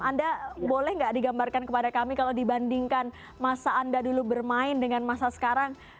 anda boleh nggak digambarkan kepada kami kalau dibandingkan masa anda dulu bermain dengan masa sekarang